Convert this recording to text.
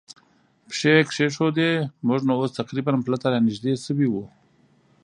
پښې کېښوودې، موږ نو اوس تقریباً پله ته را نږدې شوي و.